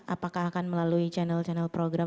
apakah akan melalui channel channel program